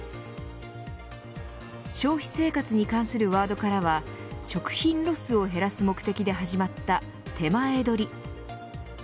消費生活に関するワードからは食品ロスを減らす目的で始まったてまえどり。